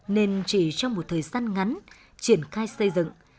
nên chỉ trong một thời gian ngắn triển khai xây dựng